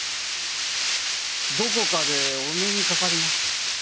どこかでお目にかかりましたよね？